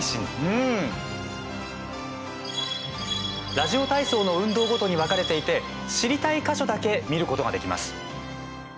ラジオ体操の運動ごとに分かれていて知りたい箇所だけ見ることができます。